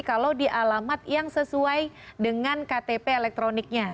kalau di alamat yang sesuai